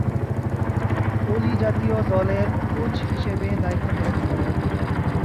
ওলি জাতীয় দলের কোচ হিসেবে দায়িত্ব পালন করেন।